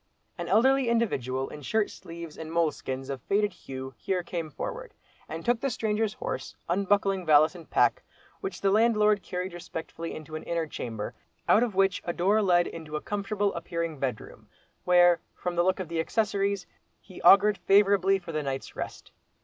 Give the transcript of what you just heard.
An elderly individual in shirt sleeves and moleskins of faded hue here came forward, and took the stranger's horse, unbuckling valise and pack, which the landlord carried respectfully into an inner chamber, out of which a door led into a comfortable appearing bedroom; where, from the look of the accessories, he augured favourably for the night's rest.